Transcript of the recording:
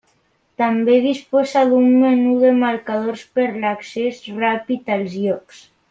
També disposa d'un menú de marcadors per l'accés ràpid als llocs.